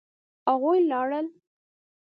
هغوی لاړل.